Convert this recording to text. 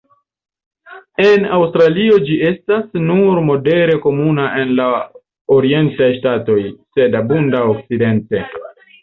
En Aŭstralio ĝi estas nur modere komuna en la orientaj ŝtatoj, sed abunda okcidente.